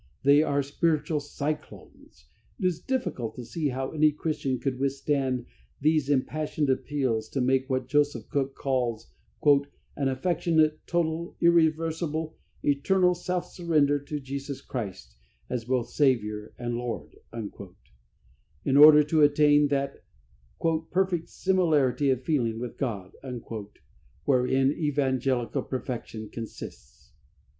They are spiritual cyclones. It is difficult to see how any Christian could withstand these impassioned appeals to make what Joseph Cook calls "an affectionate, total, irreversible, eternal, self surrender to Jesus Christ, as both Saviour and Lord," in order to attain that "perfect similarity of feeling with God," wherein evangelical perfection consists.